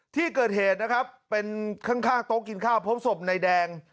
ที่เกิดเหตุนะครับเป็นข้างโต๊ะกินข้าวพบศพนายแดง